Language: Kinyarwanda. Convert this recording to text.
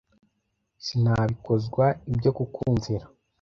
Sinabikozwa ibyo kukumvira